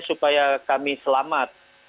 supaya kami selamat